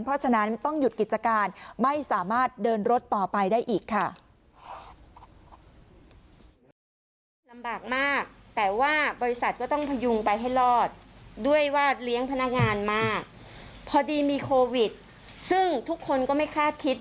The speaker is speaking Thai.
เพราะฉะนั้นต้องหยุดกิจการ